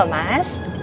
terima kasih pak